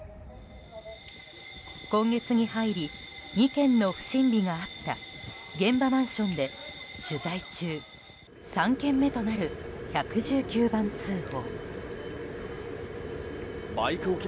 今月に入り２件の不審火があった現場マンションで取材中３件目となる１１９番通報。